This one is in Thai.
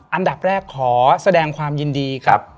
อันดับแรกขอแสดงความยินดีกับ